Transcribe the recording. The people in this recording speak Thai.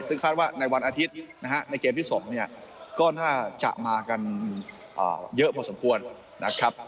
ซึ่งคาดว่าในวันอาทิตย์นะฮะในเกมที่๒เนี่ยก็น่าจะมากันเยอะพอสมควรนะครับ